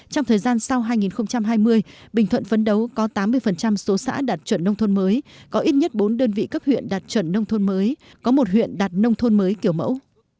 trong thời gian sau hai nghìn hai mươi bình thuận phấn đấu có tám mươi số xã đạt chuẩn nông thôn mới có ít nhất bốn đơn vị cấp huyện đạt chuẩn nông thôn mới có một huyện đạt nông thôn mới kiểu mẫu